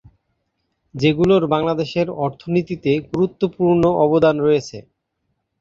যেগুলোর বাংলাদেশের অর্থনীতিতে গুরুত্বপূর্ণ অবদান রয়েছে।